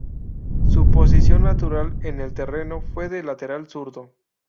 Su posición natural en el terreno fue de lateral zurdo.